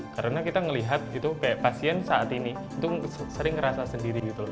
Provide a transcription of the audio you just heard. karena kita melihat pasien saat ini sering merasa sendiri